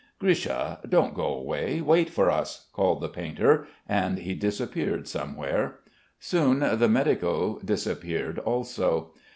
"Grisha, don't go away. Wait for us," called the painter; and he disappeared somewhere. Soon the medico disappeared also.